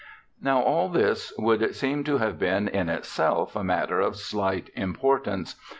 Now all this would seem to have been in itself a matter of slight importance.